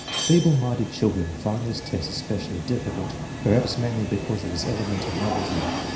Feeble minded children find this test especially difficult, perhaps mainly because of its element of novelty.